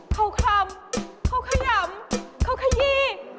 เขาคลำเขาขยำเขาขยี้